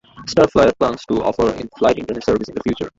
StarFlyer plans to offer in-flight Internet service in the future.